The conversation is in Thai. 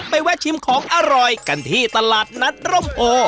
แวะชิมของอร่อยกันที่ตลาดนัดร่มโพ